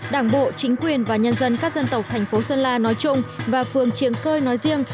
đảng bộ chính quyền và nhân dân các dân tộc thành phố sơn la nói chung và phường triềng cơi nói riêng